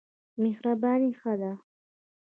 مهرباني ښه ده.